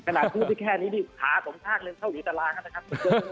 ขนาดพูดได้แค่นี้ขาสมชากนึงเท่าหรือตลาดครับนะครับ